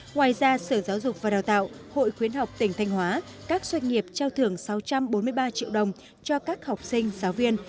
ngoài ra sở giáo dục và đào tạo hội khuyến học tỉnh thanh hóa các doanh nghiệp trao thưởng sáu trăm bốn mươi ba triệu đồng cho các học sinh giáo viên